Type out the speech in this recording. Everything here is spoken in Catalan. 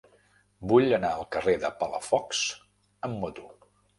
Vull anar al carrer de Palafox amb moto.